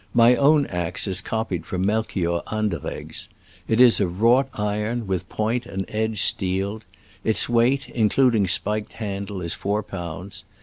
My own axe is. copied from Melchior An deregg's. It is of wrought iron, with point and edge steeled. Its weight, includ ing spiked handle, is four pounds.